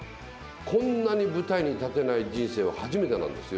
こんなに舞台に立てない人生は初めてなんですよ。